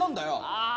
ああ！